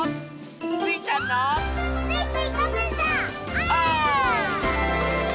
スイちゃんのお！